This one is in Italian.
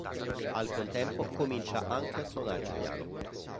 Al contempo comincia anche a suonare il piano.